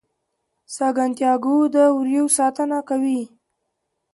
سانتیاګو د وریو ساتنه کوي.